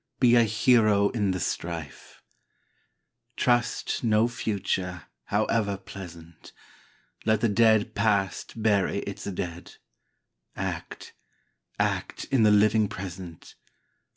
Be a hero in the strife ! Trust no Future, howe'er pleasant ! Let the dead Past bury its dead ! Act, — act in the living Present